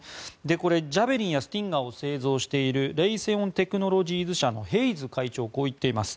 これ、ジャベリンやスティンガーを製造しているレイセオン・テクノロジーズ社のヘイズ会長、こう言っています。